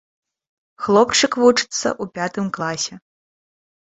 Хлопчык вучыцца ў пятым класе.